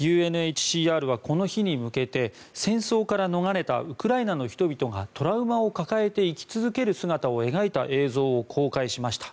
ＵＮＨＣＲはこの日に向けて戦争から逃れたウクライナの人々がトラウマを抱えて生き続ける姿を描いた映像を公開しました。